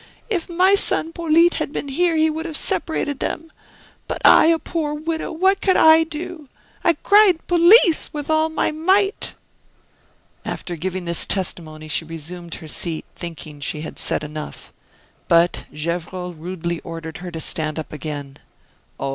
If my son Polyte had been here he would have separated them; but I, a poor widow, what could I do! I cried 'Police!' with all my might." After giving this testimony she resumed her seat, thinking she had said enough. But Gevrol rudely ordered her to stand up again. "Oh!